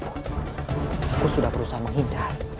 aku sudah berusaha menghindar